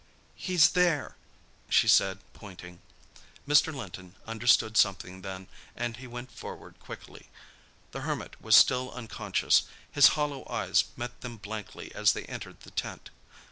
"He's there," she said, pointing. Mr. Linton understood something then, and he went forward quickly. The Hermit was still unconscious. His hollow eyes met them blankly as they entered the tent.